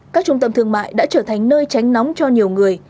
các trung tâm thương mại đã trở thành nơi tránh nóng cho nhiều người